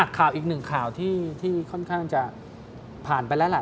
ข่าวอีกหนึ่งข่าวที่ค่อนข้างจะผ่านไปแล้วล่ะ